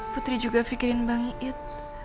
putri juga pikirin bang iit